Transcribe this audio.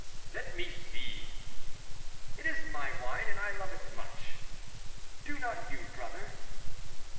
"Let me see!" "It is my wine, and I love it much; do not you, brother?"